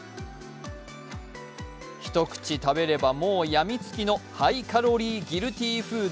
一口食べればもうやみつきの、ハイカロリーギルティーフード、